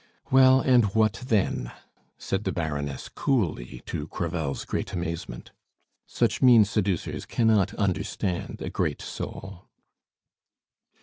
"Well, and what then?" said the Baroness coolly, to Crevel's great amazement. Such mean seducers cannot understand a great soul.